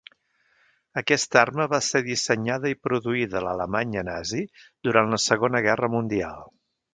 Aquesta arma va ser dissenyada i produïda a l'Alemanya nazi durant la Segona Guerra Mundial.